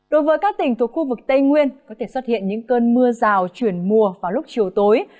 đối với các tỉnh thuộc khu vực tây nguyên có thể xuất hiện những cơn mưa rào chuyển mùa vào lúc chiều tối